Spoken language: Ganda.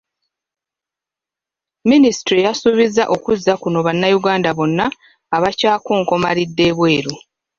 Minisitule yasuubizza okuzza kuno bannayuganda bonna abakyakonkomalidde ebweru.